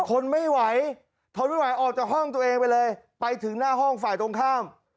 ทนไม่ไหวทนไม่ไหวออกจากห้องตัวเองไปเลยไปถึงหน้าห้องฝ่ายตรงข้าม